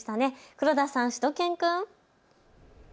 黒田さん、しゅと犬くん。